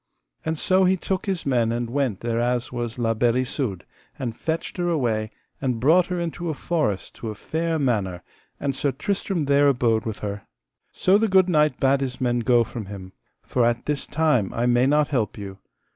And so he took his men and went thereas was La Beale Isoud, and fetched her away, and brought her into a forest to a fair manor, and Sir Tristram there abode with her. So the good knight bade his men go from him: For at this time I may not help you.